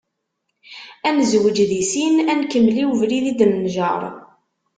Ad nezweǧ di sin ad nkemmel i ubrid i d-nenjer.